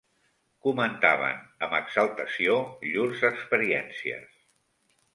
Comentaven amb exaltació llurs experiències